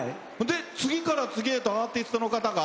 次から次へとアーティストの方が。